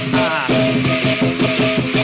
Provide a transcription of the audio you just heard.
เฮ้ย